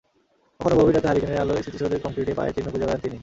কখনো গভীর রাতে হারিকেনের আলোয় স্মৃতিসৌধের কংক্রিটে পায়ের চিহ্ন খুঁজে বেড়ান তিনি।